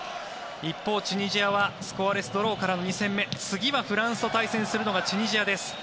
一方、チュニジアはスコアレスドローからの２戦目次はフランスと対戦するのがチュニジアです。